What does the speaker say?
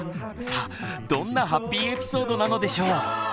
さあどんなハッピーエピソードなのでしょう。